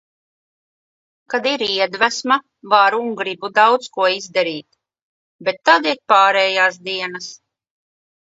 Kad ir iedvesma, varu un gribu daudz ko izdarīt, bet tad ir pārējās dienas.